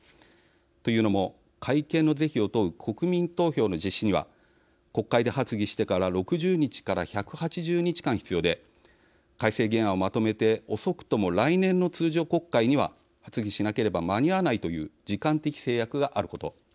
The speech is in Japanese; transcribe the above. というのも、改憲の是非を問う国民投票の実施には国会で発議してから６０日から１８０日間必要で改正原案をまとめて遅くとも来年の通常国会には発議しなければ間に合わないという時間的制約があること。